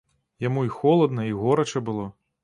Яму і холадна і горача было.